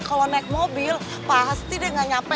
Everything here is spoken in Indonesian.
kalau naik mobil pasti deh nggak nyampe